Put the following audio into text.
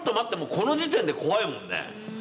この時点で怖いもんね。